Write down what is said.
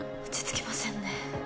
落ち着きませんね